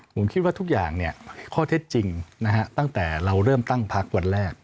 ผมคิดว่าทุกอย่างข้อเท็จจริงตั้งแต่เราเริ่มตั้งพักวันแรก